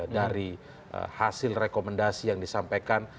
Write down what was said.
dari hasil rekomendasi yang disampaikan